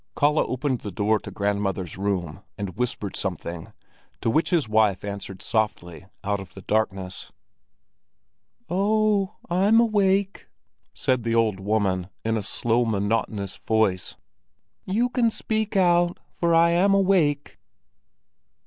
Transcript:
Kalle opened the door to grandmother's room, and whispered something, to which his wife answered softly out of the darkness. "Oh, I'm awake," said the old woman, in a slow, monotonous voice. "You can speak out, for I am awake."